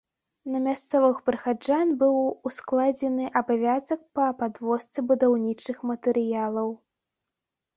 На мясцовых прыхаджан быў ускладзены абавязак па падвозцы будаўнічых матэрыялаў.